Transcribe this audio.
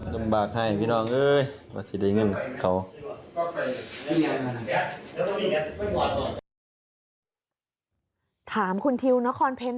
ถามคุณทิวนครเพ็ญ